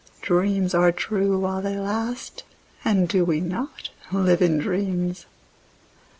Dreams are true while they last, and do we not live in dreams?